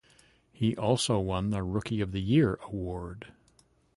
He also won the Rookie of the Year award.